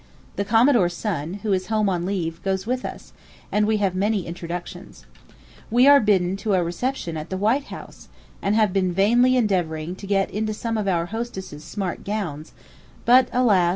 The Commodore's son, who is home on leave, goes with us, and we have many introductions. We are bidden to a reception at the White House, and have been vainly endeavouring to get into some of our hostess's smart gowns; but, alas!